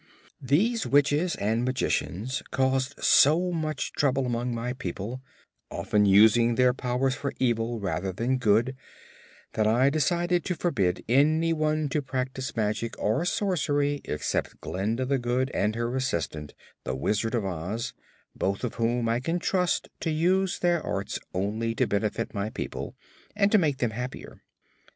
These Witches and Magicians caused so much trouble among my people, often using their powers for evil rather than good, that I decided to forbid anyone to practice magic or sorcery except Glinda the Good and her assistant, the Wizard of Oz, both of whom I can trust to use their arts only to benefit my people and to make them happier.